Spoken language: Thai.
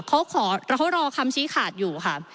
เขาขอเขารอคำชี้ขาดอยู่ค่ะ